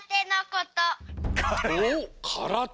おっからて？